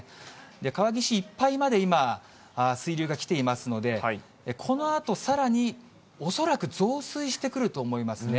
川岸いっぱいまで今、水流が来ていますので、このあとさらに、恐らく増水してくると思いますね。